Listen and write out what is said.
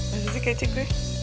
mana sih kece gue